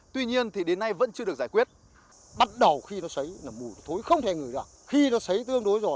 tuy nhiên thì đến nay vẫn chưa được giải quyết